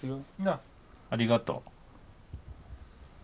ありがとう。